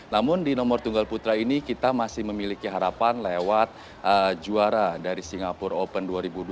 namun di nomor tunggal putra ini kita masih memiliki harapan lewat juara dari singapura open dua ribu dua puluh tiga